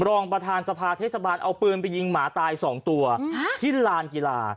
รองประธานสภาเทศบาลเอาปืนไปยิงหมาตายสองตัวที่ลานกีฬา